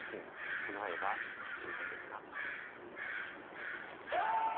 備えは十分ですか？